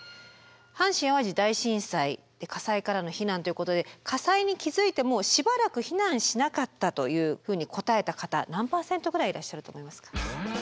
阪神・淡路大震災火災からの避難ということで「火災に気づいてもしばらく避難しなかった」というふうに答えた方何％ぐらいいらっしゃると思いますか？